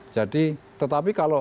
jadi tetapi kalau